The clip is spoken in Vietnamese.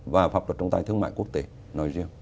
và pháp luật trong tài thương mại quốc tế nói riêng